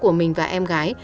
của mình và em gái